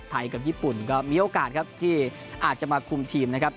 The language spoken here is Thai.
กับญี่ปุ่นก็มีโอกาสครับที่อาจจะมาคุมทีมนะครับ